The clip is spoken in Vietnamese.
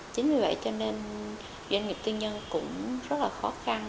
chính vì vậy cho nên doanh nghiệp tư nhân cũng rất là khó khăn